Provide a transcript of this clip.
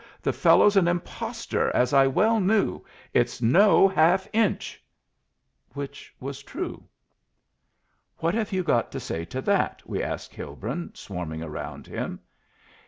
The fellow's an impostor, as I well knew. It's no half inch!" Which was true. "What have you got to say to that?" we asked Hilbrun, swarming around him.